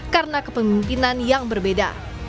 karena kepemimpinan yang berbeda